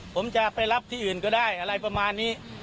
ผมจะไปรับที่อื่นก็ได้อะไรประมาณนี้